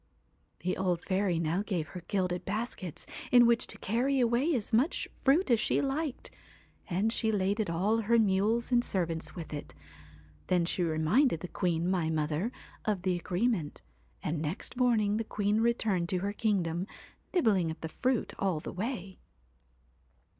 'The old fairy now gave her gilded baskets in which to carry away as much fruit as she liked, and she laded all her mules and servants with it. Then she reminded the queen, my mother, of the agreement ; and next morning the queen returned to her kingdom, nibbling at the fruit all the way.